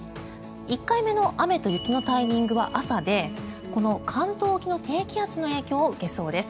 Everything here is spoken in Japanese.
１回目の雨と雪のタイミングは朝でこの関東沖の低気圧の影響を受けそうです。